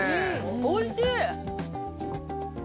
おいしい。